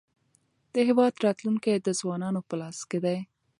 د هېواد راتلونکی د ځوانانو په لاس کې دی.